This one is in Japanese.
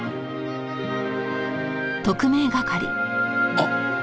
あっ！